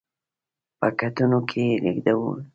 په کټونو کې یې لېږدول.